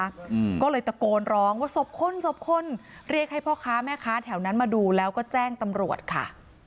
อืมก็เลยตะโกนร้องว่าศพคนศพคนเรียกให้พ่อค้าแม่ค้าแถวนั้นมาดูแล้วก็แจ้งตำรวจค่ะ